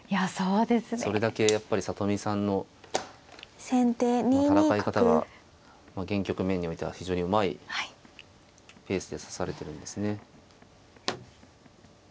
それだけやっぱり里見さんの戦い方が現局面においては非常にうまいペースで指されてるんですね。